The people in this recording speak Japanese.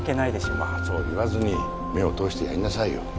まあそう言わずに目を通してやりなさいよ